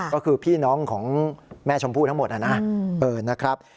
ก็คือพี่น้องของแม่ชมพู่ทั้งหมดนะครับ